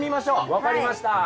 分かりました。